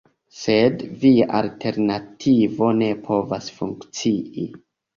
Sed via alternativo ne povas funkcii.